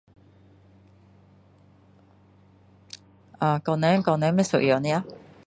呃各人各人不一样的啊